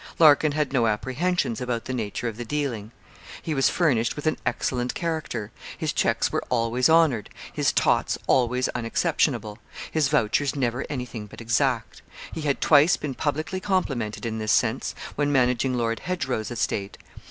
Larkin had no apprehensions about the nature of the dealing. He was furnished with an excellent character his cheques were always honoured his 'tots' always unexceptionable his vouchers never anything but exact. He had twice been publicly complimented in this sense, when managing Lord Hedgerow's estate.